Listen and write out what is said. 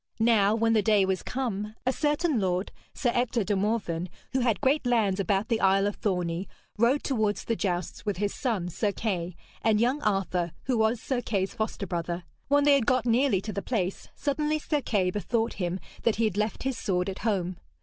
Now when the day was come, a certain lord, Sir Ector de Morven, who had great lands about the isle of Thorney, rode towards the jousts with his son, Sir Kay, and young Arthur, who was Sir Kay's foster brother. When they had got nearly to the place, suddenly Sir Kay bethought him that he had left his sword at home.